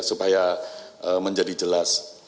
supaya menjadi jelas